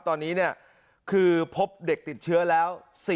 ตอนนี้คือพบเด็กติดเชื้อแล้ว